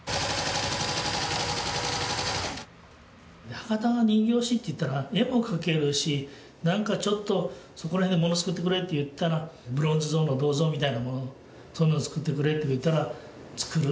博多の人形師といったら絵も描けるしなんかちょっとそこら辺のもの作ってくれと言ったらブロンズ像の銅像みたいなものそんなの作ってくれと言ったら作る。